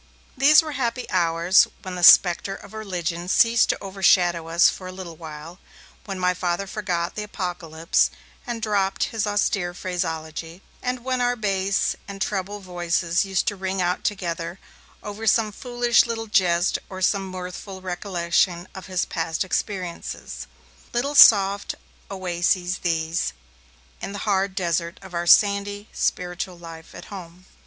These were happy hours, when the spectre of Religion ceased to overshadow us for a little while, when my Father forgot the Apocalypse and dropped his austere phraseology, and when our bass and treble voices used to ring out together over some foolish little jest or some mirthful recollection of his past experiences. Little soft oases these, in the hard desert of our sandy spiritual life at home.